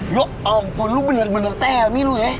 ya ampun lu bener bener telmi lu ya